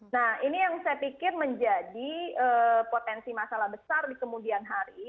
nah ini yang saya pikir menjadi potensi masalah besar di kemudian hari